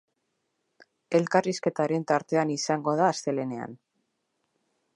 Elkarrizketaren tartean izango da astelehenean.